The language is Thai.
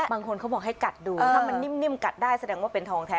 บางคนเขาบอกให้กัดดูถ้ามันนิ่มกัดได้แสดงว่าเป็นทองแท้